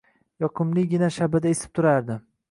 Yoqimligina shabada esib turardi.